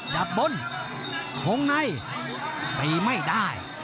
จับบนพงในตีไม่ได้